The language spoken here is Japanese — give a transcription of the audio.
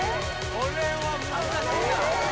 これは難しいだろ。